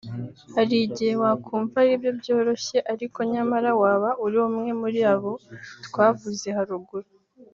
Hari igihe wakumva aribyo byoroshye ariko nyamara waba uri umwe muri abo twavuze haruguru